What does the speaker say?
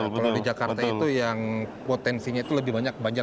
kalau di jakarta itu yang potensinya itu lebih banyak banjir